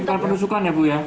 bukan penusukan ya bu ya